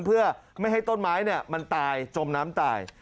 เพื่อไม่ให้ต้นไม้มันตายจมน้ำตาย